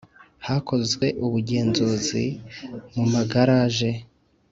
Hakozwe ubugenzuzi mu magaraje .